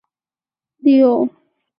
赛艇泛指控制艇或船的水上竞赛。